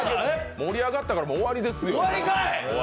盛り上がったから終わりですよ。